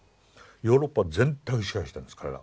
ヨーロッパ全体を支配したんです彼らは。